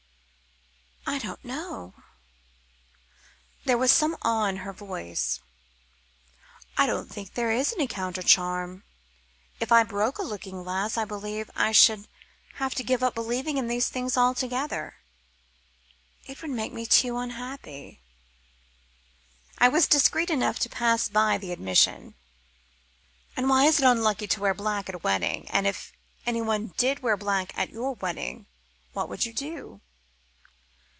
"I don't know" there was some awe in her voice "I don't think there is any counter charm. If I broke a looking glass I believe I should have to give up believing in these things altogether. It would make me too unhappy." I was discreet enough to pass by the admission. "And why is it unlucky to wear black at a wedding? And if anyone did wear black at your wedding, what would you do?"